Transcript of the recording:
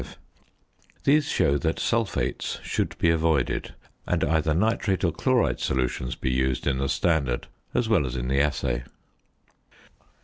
5 +++ These show that sulphates should be avoided, and either nitrate or chloride solutions be used in the standard as well as in the assay.